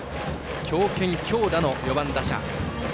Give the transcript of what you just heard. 強肩強打の４番打者。